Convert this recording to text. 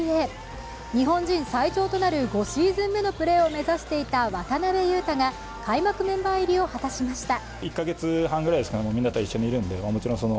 日本人最長となる５シーズン目のプレーを目指していた渡邊雄太が開幕メンバー入りを果たしました。